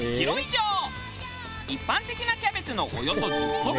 一般的なキャベツのおよそ１０個分。